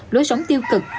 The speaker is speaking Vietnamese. lối sống tiêu cực